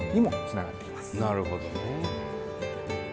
なるほどね。